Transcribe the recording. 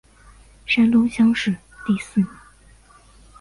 山东乡试第四名。